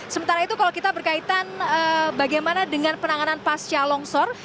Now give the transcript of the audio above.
sementara itu kalau kita berkaitan bagaimana dengan penanganan pasca longsor